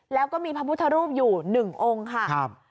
แล้วก็มีพระพุทธรูปอยู่๑องค์ค่ะ